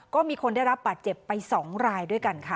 ก็มีคนได้รับบาดเจ็บไป๒รายด้วยกันค่ะ